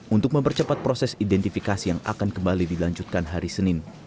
untuk mempercepat proses identifikasi yang akan kembali dilanjutkan hari senin